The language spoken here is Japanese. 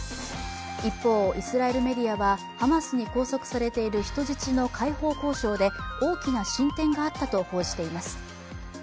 一方、イスラエルメディアはハマスに拘束されている人質の解放交渉で大きな進展があったと報じています。